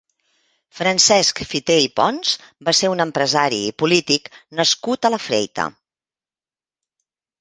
Francesc Fité i Pons va ser un empresari i polític nascut a La Freita.